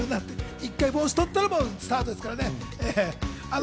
一回、帽子取ったらスタートですから。